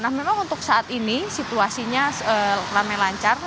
nah memang untuk saat ini situasinya ramai lancar